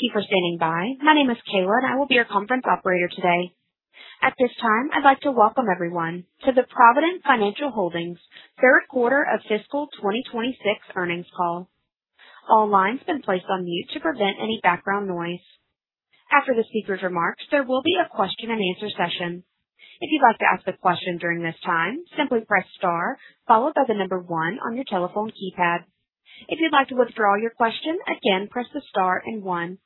Thank you for standing by. My name is Kayla, and I will be your conference operator today. At this time, I'd like to welcome everyone to the Provident Financial Holdings third quarter of fiscal twenty twenty-six earnings call. All lines have been placed on mute to prevent any background noise. After the speaker's remarks, there will be a question-and-answer session. If you'd like to ask a question during this time, simply press star followed by the number one on your telephone keypad. If you'd like to withdraw your question, again, press the star and one.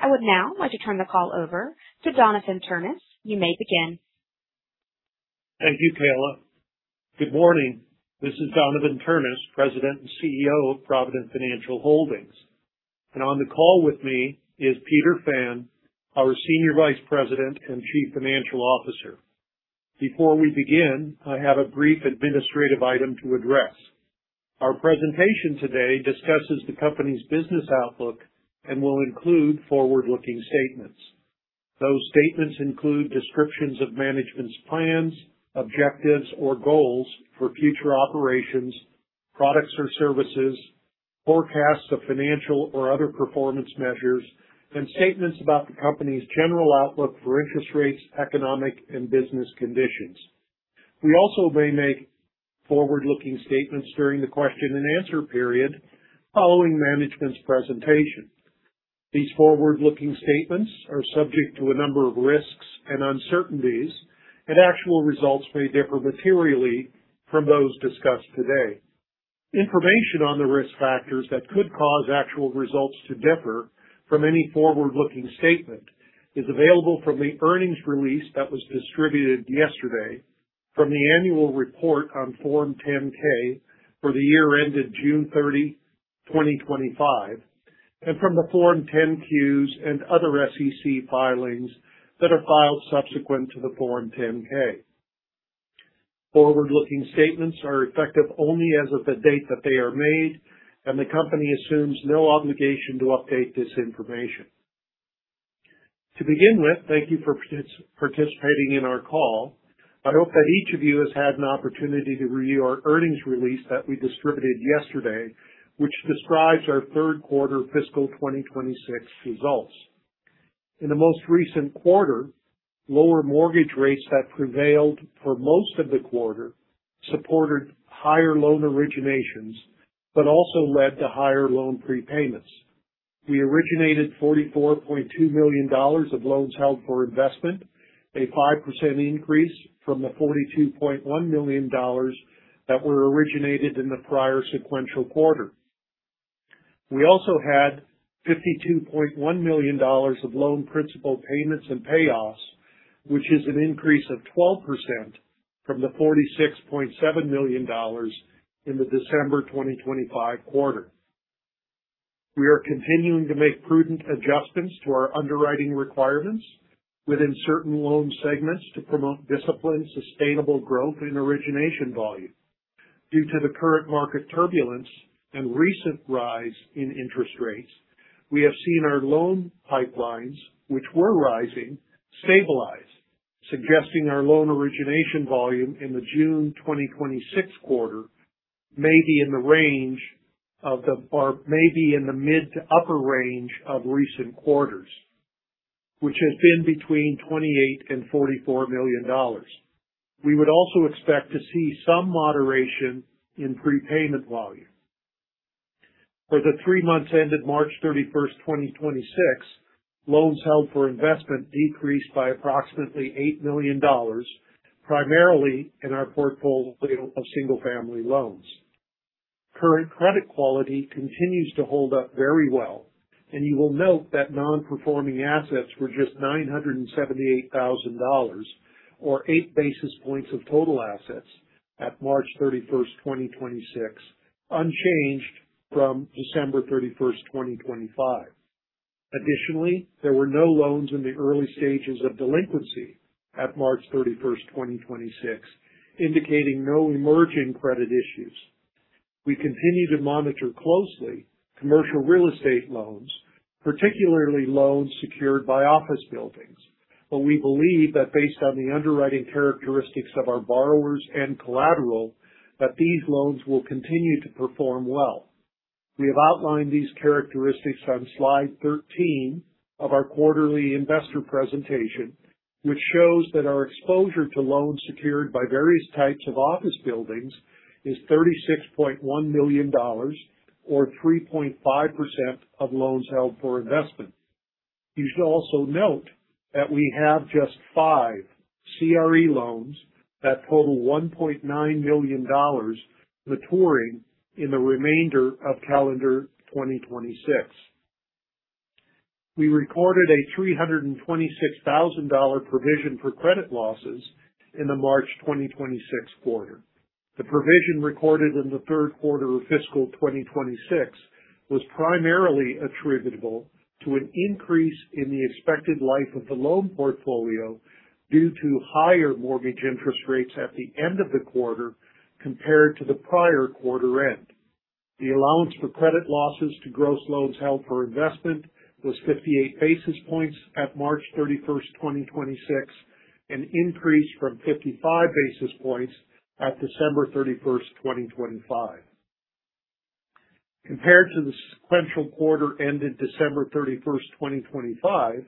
I would now like to turn the call over to Donavon Ternes. You may begin. Thank you, Kayla. Good morning. This is Donavon Ternes, President and CEO of Provident Financial Holdings. On the call with me is Peter Fan, our Senior Vice President and Chief Financial Officer. Before we begin, I have a brief administrative item to address. Our presentation today discusses the company's business outlook and will include forward-looking statements. Those statements include descriptions of management's plans, objectives, or goals for future operations, products or services, forecasts of financial or other performance measures, and statements about the company's general outlook for interest rates, economic, and business conditions. We also may make forward-looking statements during the question-and-answer period following management's presentation. These forward-looking statements are subject to a number of risks and uncertainties, and actual results may differ materially from those discussed today. Information on the risk factors that could cause actual results to differ from any forward-looking statement is available from the earnings release that was distributed yesterday from the annual report on Form 10-K for the year ended June 30, 2025, and from the Form 10-Q and other SEC filings that are filed subsequent to the Form 10-K. Forward-looking statements are effective only as of the date that they are made. The company assumes no obligation to update this information. To begin with, thank you for participating in our call. I hope that each of you has had an opportunity to review our earnings release that we distributed yesterday, which describes our Q3 fiscal 2026 results. In the most recent quarter, lower mortgage rates that prevailed for most of the quarter supported higher loan originations, but also led to higher loan prepayments. We originated $44.2 million of loans held for investment, a 5% increase from the $42.1 million that were originated in the prior sequential quarter. We also had $52.1 million of loan principal payments and payoffs, which is an increase of 12% from the $46.7 million in the December 2025 quarter. We are continuing to make prudent adjustments to our underwriting requirements within certain loan segments to promote disciplined, sustainable growth in origination volume. Due to the current market turbulence and recent rise in interest rates, we have seen our loan pipelines, which were rising, stabilize, suggesting our loan origination volume in the June 2026 quarter may be in the mid to upper range of recent quarters, which has been between $28 million and $44 million. We would also expect to see some moderation in prepayment volume. For the three months ended March 31st, 2026, loans held for investment decreased by approximately $8 million, primarily in our portfolio of single-family loans. Current credit quality continues to hold up very well, and you will note that non-performing assets were just $978,000, or eight basis points of total assets at March 31st, 2026, unchanged from December 31st, 2025. Additionally, there were no loans in the early stages of delinquency at March 31st, 2026, indicating no emerging credit issues. We continue to monitor closely commercial real estate loans, particularly loans secured by office buildings. We believe that based on the underwriting characteristics of our borrowers and collateral, that these loans will continue to perform well. We have outlined these characteristics on slide 13 of our quarterly investor presentation, which shows that our exposure to loans secured by various types of office buildings is $36.1 million or 3.5% of loans held for investment. You should also note that we have just five CRE loans that total $1.9 million maturing in the remainder of calendar 2026. We recorded a $326,000 provision for credit losses in the March 2026 quarter. The provision recorded in the Q3 of fiscal 2026 was primarily attributable to an increase in the expected life of the loan portfolio due to higher mortgage interest rates at the end of the quarter compared to the prior quarter end. The allowance for credit losses to gross loans held for investment was 58 basis points at March 31st, 2026. An increase from 55 basis points at December 31st, 2025. Compared to the sequential quarter ended December 31st, 2025,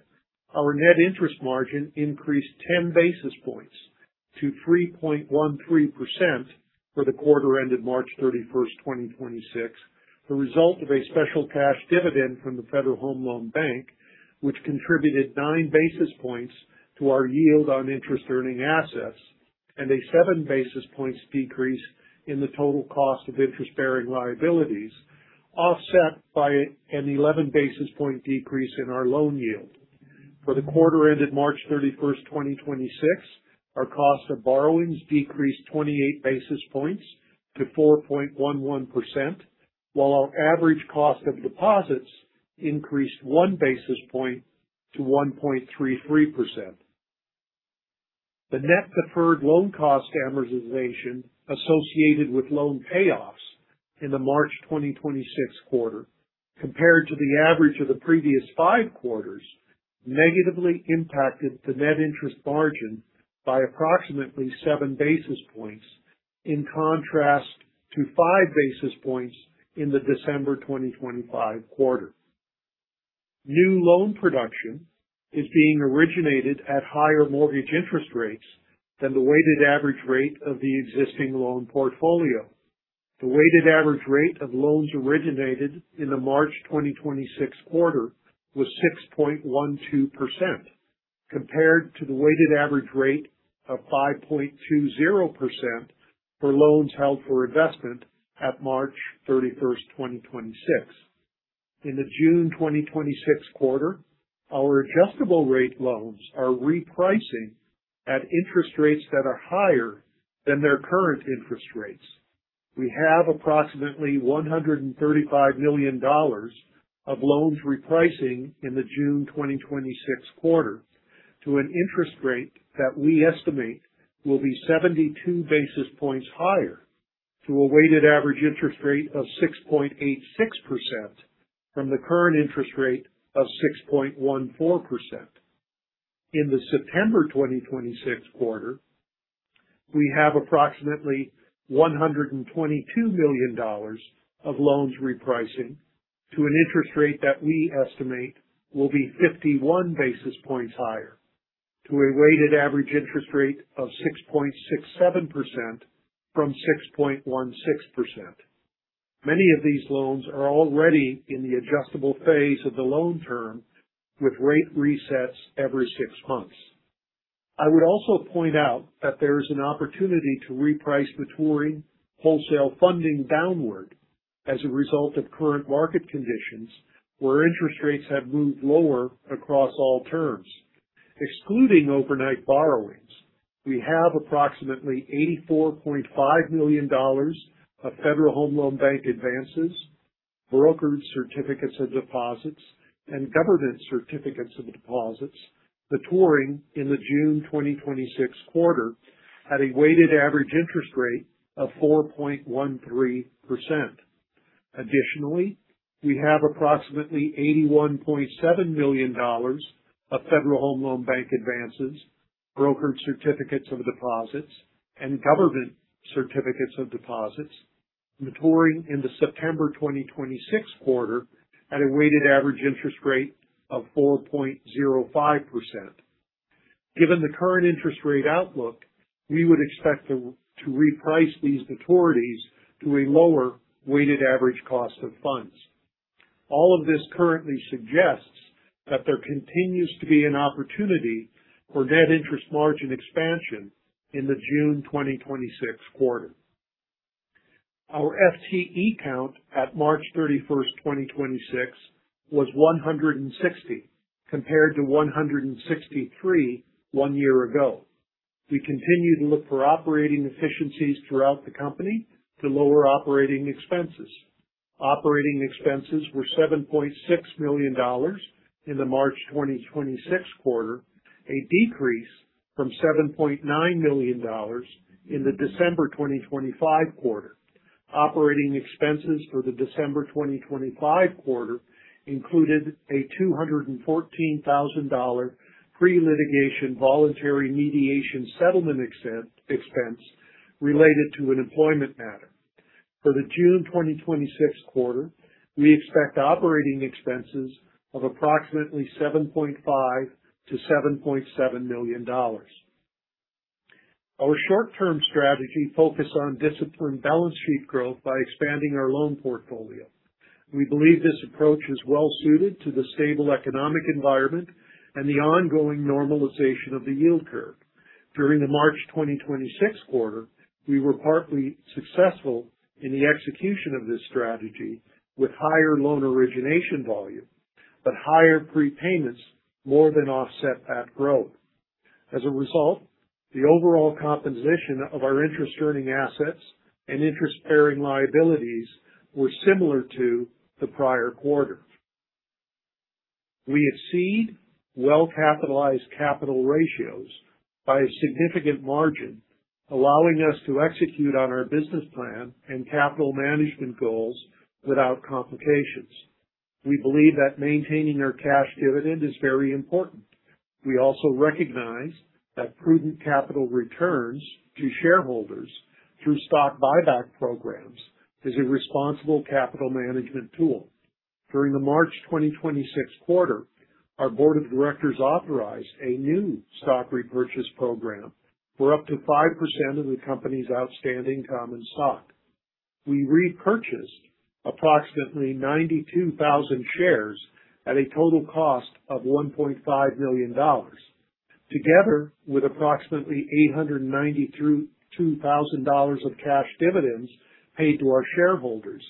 our net interest margin increased 10 basis points to 3.13% for the quarter ended March 31st, 2026, the result of a special cash dividend from the Federal Home Loan Bank, which contributed nine basis points to our yield on interest-earning assets and a seven basis points decrease in the total cost of interest-bearing liabilities, offset by an 11 basis point decrease in our loan yield. For the quarter ended March 31st, 2026, our cost of borrowings decreased 28 basis points to 4.11%, while our average cost of deposits increased one basis point to 1.33%. The net deferred loan cost amortization associated with loan payoffs in the March 2026 quarter compared to the average of the previous five quarters negatively impacted the net interest margin by approximately seven basis points, in contrast to five basis points in the December 2025 quarter. New loan production is being originated at higher mortgage interest rates than the weighted average rate of the existing loan portfolio. The weighted average rate of loans originated in the March 2026 quarter was 6.12% compared to the weighted average rate of 5.20% for loans held for investment at March 31st, 2026. In the June 2026 quarter, our adjustable rate loans are repricing at interest rates that are higher than their current interest rates. We have approximately $135 million of loans repricing in the June 2026 quarter to an interest rate that we estimate will be 72 basis points higher to a weighted average interest rate of 6.86% from the current interest rate of 6.14%. In the September 2026 quarter, we have approximately $122 million of loans repricing to an interest rate that we estimate will be 51 basis points higher to a weighted average interest rate of 6.67% from 6.16%. Many of these loans are already in the adjustable phase of the loan term with rate resets every six months. I would also point out that there is an opportunity to reprice maturing wholesale funding downward as a result of current market conditions where interest rates have moved lower across all terms. Excluding overnight borrowings, we have approximately $84.5 million of Federal Home Loan Bank advances, brokered certificates of deposits, and government certificates of deposits maturing in the June 2026 quarter at a weighted average interest rate of 4.13%. Additionally, we have approximately $81.7 million of Federal Home Loan Bank advances, brokered certificates of deposits, and government certificates of deposits maturing in the September 2026 quarter at a weighted average interest rate of 4.05%. Given the current interest rate outlook, we would expect to reprice these maturities to a lower weighted average cost of funds. All of this currently suggests that there continues to be an opportunity for net interest margin expansion in the June 2026 quarter. Our FTE count at March 31st, 2026 was 160, compared to 163 one year ago. We continue to look for operating efficiencies throughout the company to lower operating expenses. Operating expenses were $7.6 million in the March 2026 quarter, a decrease from $7.9 million in the December 2025 quarter. Operating expenses for the December 2025 quarter included a $214,000 pre-litigation voluntary mediation settlement expense related to an employment matter. For the June 2026 quarter, we expect operating expenses of approximately $7.5 million-$7.7 million. Our short-term strategy focus on disciplined balance sheet growth by expanding our loan portfolio. We believe this approach is well-suited to the stable economic environment and the ongoing normalization of the yield curve. During the March 2026 quarter, we were partly successful in the execution of this strategy with higher loan origination volume, but higher prepayments more than offset that growth. As a result, the overall composition of our interest-earning assets and interest-bearing liabilities were similar to the prior quarter. We exceed well-capitalized capital ratios by a significant margin, allowing us to execute on our business plan and capital management goals without complications. We believe that maintaining our cash dividend is very important. We also recognize that prudent capital returns to shareholders through stock buyback programs is a responsible capital management tool. During the March 2026 quarter, our board of directors authorized a new stock repurchase program for up to 5% of the company's outstanding common stock. We repurchased approximately 92,000 shares at a total cost of $1.5 million. Together with approximately $892,000 of cash dividends paid to our shareholders,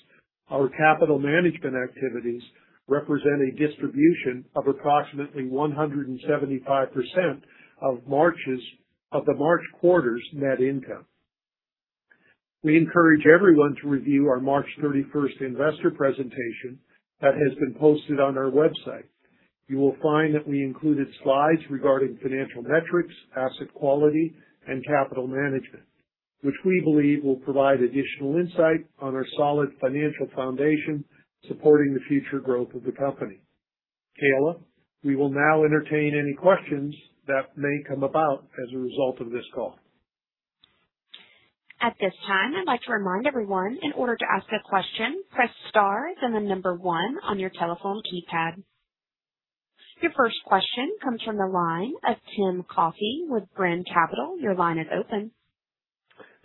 our capital management activities represent a distribution of approximately 175% of the March quarter's net income. We encourage everyone to review our March 31st investor presentation that has been posted on our website. You will find that we included slides regarding financial metrics, asset quality, and capital management, which we believe will provide additional insight on our solid financial foundation supporting the future growth of the company. Kayla, we will now entertain any questions that may come about as a result of this call. Your first question comes from the line of Tim Coffey with Brean Capital. Your line is open.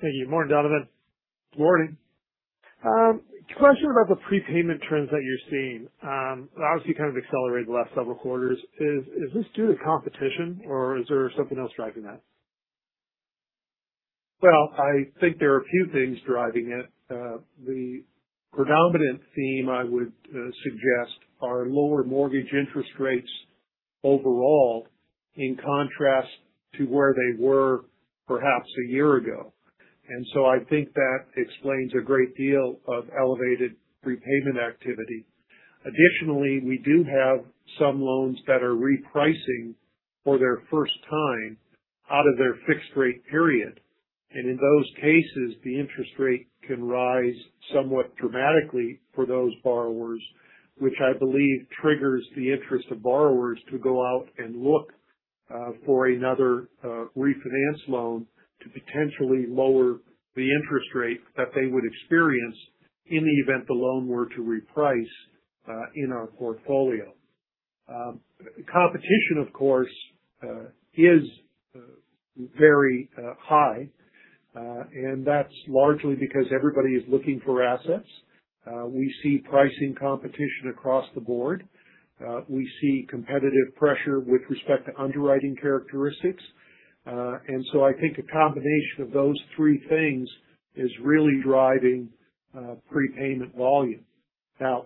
Thank you. Morning, Donavon. Morning. Question about the prepayment trends that you're seeing. Obviously kind of accelerated the last several quarters. Is this due to competition or is there something else driving that? Well, I think there are a few things driving it. The predominant theme I would suggest are lower mortgage interest rates overall, in contrast to where they were perhaps a year ago. I think that explains a great deal of elevated prepayment activity. Additionally, we do have some loans that are repricing for their first time out of their fixed rate period. In those cases, the interest rate can rise somewhat dramatically for those borrowers, which I believe triggers the interest of borrowers to go out and look for another refinance loan to potentially lower the interest rate that they would experience in the event the loan were to reprice in our portfolio. Competition of course, is very high. That's largely because everybody is looking for assets. We see pricing competition across the board. We see competitive pressure with respect to underwriting characteristics. I think a combination of those three things is really driving prepayment volume.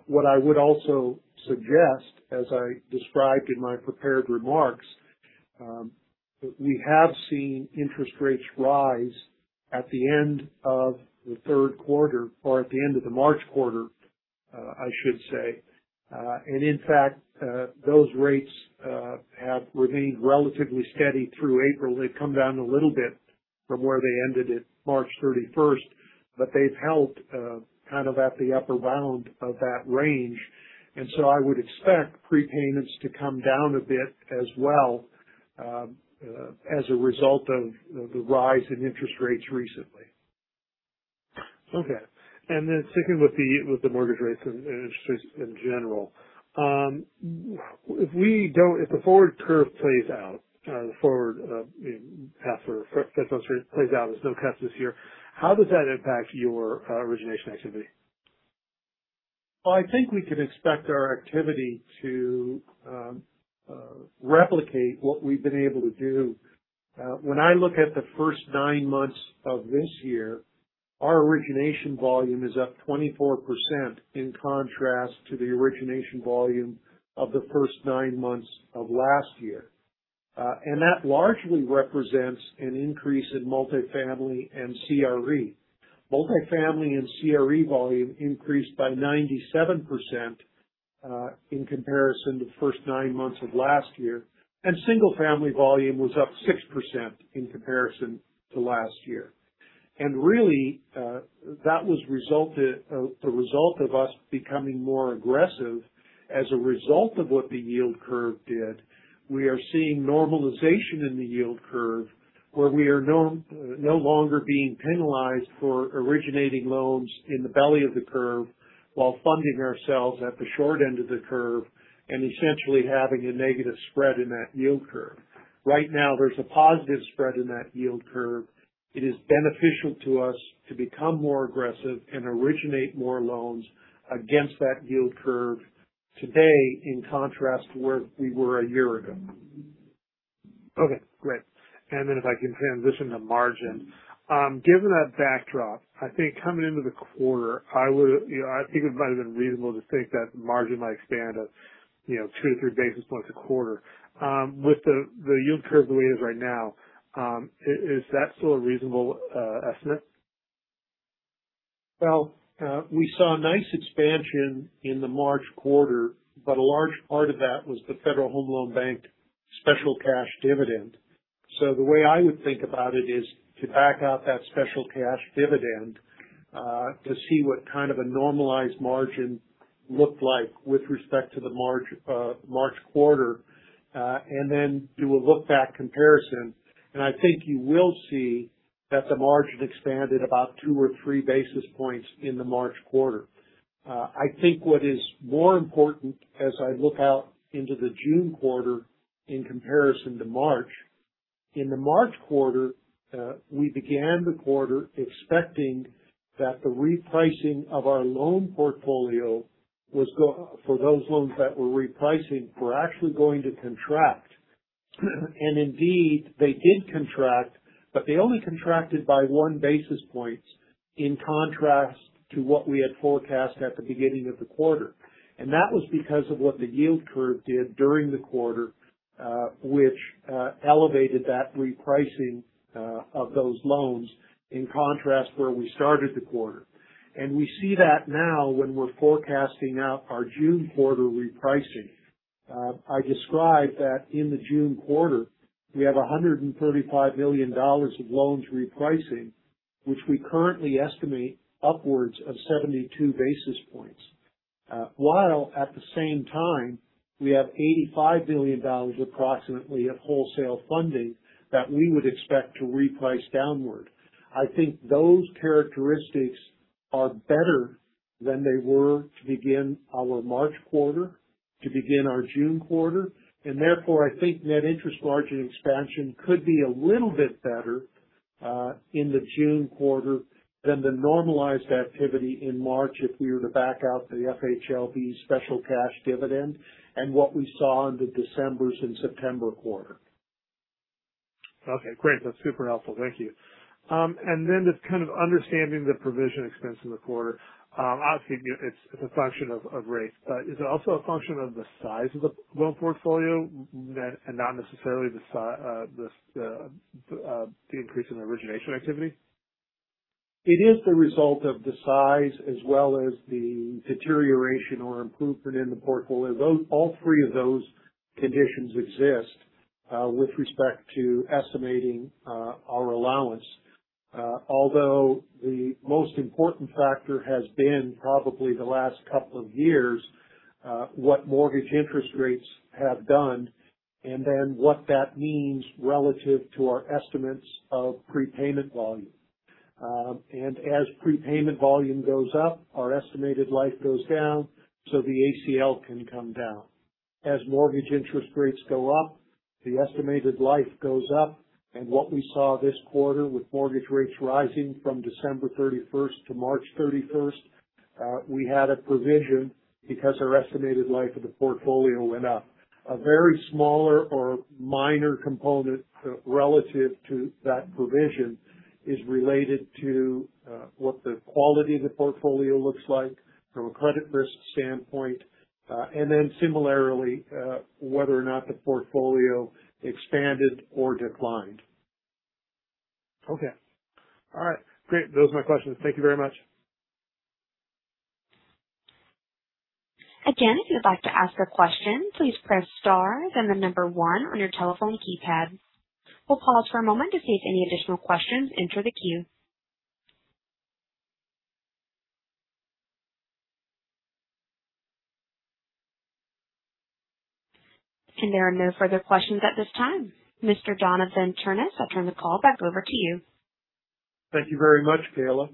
What I would also suggest, as I described in my prepared remarks, we have seen interest rates rise at the end of the Q3 or at the end of the March quarter, I should say. In fact, those rates have remained relatively steady through April. They've come down a little bit from where they ended at March thirty-first, but they've held kind of at the upper bound of that range. I would expect prepayments to come down a bit as well, as a result of the rise in interest rates recently. Okay. Sticking with the mortgage rates and interest rates in general. If the forward curve plays out, the forward, I mean, path for Fed funds rate plays out as no cuts this year, how does that impact your origination activity? Well, I think we can expect our activity to replicate what we've been able to do. When I look at the first nine months of this year, our origination volume is up 24% in contrast to the origination volume of the first nine months of last year. That largely represents an increase in multifamily and CRE. Multifamily and CRE volume increased by 97% in comparison to the first nine months of last year. Single family volume was up 6% in comparison to last year. Really, that was the result of us becoming more aggressive as a result of what the yield curve did. We are seeing normalization in the yield curve where we are no longer being penalized for originating loans in the belly of the curve while funding ourselves at the short end of the curve and essentially having a negative spread in that yield curve. Right now, there's a positive spread in that yield curve. It is beneficial to us to become more aggressive and originate more loans against that yield curve today in contrast to where we were a year ago. Okay, great. If I can transition to margin. Given that backdrop, I think coming into the quarter, I would've, you know, I think it might have been reasonable to think that margin might expand at, you know, two to three basis points a quarter. With the yield curve the way it is right now, is that still a reasonable estimate? Well, we saw a nice expansion in the March quarter, but a large part of that was the Federal Home Loan Bank special cash dividend. The way I would think about it is to back out that special cash dividend, to see what kind of a normalized margin looked like with respect to the March quarter, and then do a look-back comparison. I think you will see that the margin expanded about two or three basis points in the March quarter. What is more important as I look out into the June quarter in comparison to March, in the March quarter, we began the quarter expecting that the repricing of our loan portfolio for those loans that were repricing, were actually going to contract. Indeed, they did contract, but they only contracted by one basis point in contrast to what we had forecast at the beginning of the quarter. That was because of what the yield curve did during the quarter, which elevated that repricing of those loans in contrast where we started the quarter. We see that now when we're forecasting out our June quarter repricing. I described that in the June quarter, we have $135 million of loans repricing, which we currently estimate upwards of 72 basis points. While at the same time, we have $85 million approximately of wholesale funding that we would expect to reprice downward. I think those characteristics are better than they were to begin our March quarter, to begin our June quarter, and therefore I think net interest margin expansion could be a little bit better in the June quarter than the normalized activity in March if we were to back out the FHLB special cash dividend and what we saw in the December and September quarter. Okay, great. That's super helpful. Thank you. Just kind of understanding the provision expense in the quarter. Obviously, you know, it's a function of rates. Is it also a function of the size of the loan portfolio and not necessarily the increase in origination activity? It is the result of the size as well as the deterioration or improvement in the portfolio. All three of those conditions exist with respect to estimating our allowance. Although the most important factor has been probably the last couple of years, what mortgage interest rates have done and then what that means relative to our estimates of prepayment volume. As prepayment volume goes up, our estimated life goes down, so the ACL can come down. As mortgage interest rates go up, the estimated life goes up. What we saw this quarter with mortgage rates rising from December 31st to March 31st, we had a provision because our estimated life of the portfolio went up. A very smaller or minor component relative to that provision is related to what the quality of the portfolio looks like from a credit risk standpoint, and then similarly, whether or not the portfolio expanded or declined. Okay. All right. Great. Those are my questions. Thank you very much. Again, if you'd like to ask a question, please press star then the number one on your telephone keypad. We'll pause for a moment to see if any additional questions enter the queue. There are no further questions at this time. Mr. Donavon Ternes, I'll turn the call back over to you. Thank you very much, Kayla.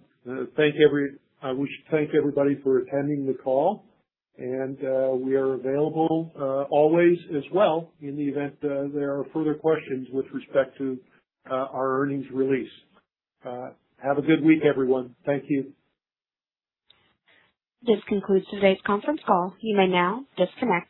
I wish to thank everybody for attending the call. We are available always as well in the event there are further questions with respect to our earnings release. Have a good week, everyone. Thank you. This concludes today's conference call. You may now disconnect.